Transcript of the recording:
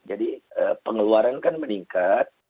jadi pengeluaran kan meningkat